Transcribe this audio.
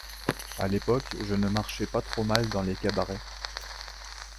À l’époque, je ne marchais pas trop mal dans les cabarets.